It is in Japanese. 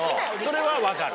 それは分かる。